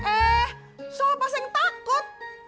eh sopapak yang takut